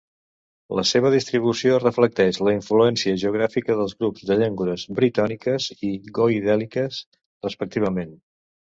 La seva distribució reflecteix la influència geogràfica dels grups de llengües britòniques i goidèliques respectivament.